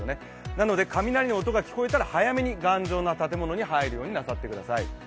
なので雷の音が聞こえたら早めに頑丈な建物に入るようになさってください。